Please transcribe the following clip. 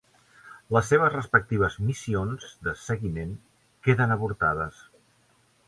Les seves respectives missions de seguiment queden avortades.